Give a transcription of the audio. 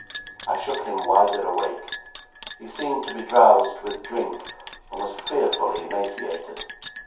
I shook him wider awake. He seemed to be drowsed with drink, and was fearfully emaciated.